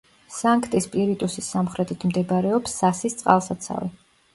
სანქტი-სპირიტუსის სამხრეთით მდებარეობს სასის წყალსაცავი.